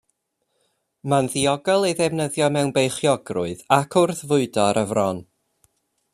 Mae'n ddiogel ei ddefnyddio mewn beichiogrwydd ac wrth fwydo ar y fron.